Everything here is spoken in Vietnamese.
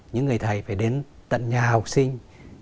những người thầy phải đến tận nhà học sinh